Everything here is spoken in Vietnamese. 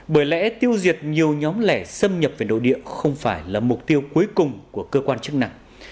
bởi lẽ tiêu diệt nhiều nhóm lẻ xâm nhập về nội địa không phải là mục tiêu cuối cùng của cơ quan chức năng